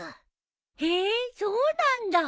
へえそうなんだ。